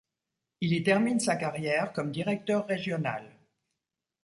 Il y termine sa carrière comme directeur régional.